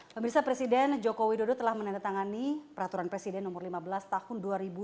pemirsa presiden joko widodo telah menandatangani peraturan presiden nomor lima belas tahun dua ribu dua puluh